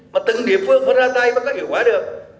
mà từng địa phương có ra tay và có hiệu quả được